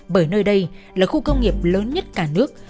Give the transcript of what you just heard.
bởi nơi đây là khu công nghiệp lớn nhất cả nước